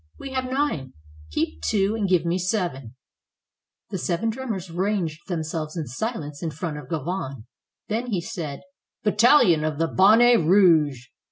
"We have nine. Keep two, and give me seven." The seven drummers ranged themselves in silence in front of Gauvain. Then he said: "Battalion of the Bon net Rouge!"